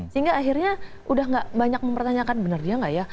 sehingga akhirnya udah gak banyak mempertanyakan benar dia nggak ya